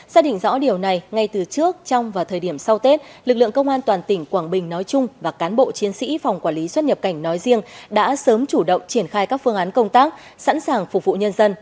xác định rõ điều này ngay từ trước trong và thời điểm sau tết lực lượng công an toàn tỉnh quảng bình nói chung và cán bộ chiến sĩ phòng quản lý xuất nhập cảnh nói riêng đã sớm chủ động triển khai các phương án công tác sẵn sàng phục vụ nhân dân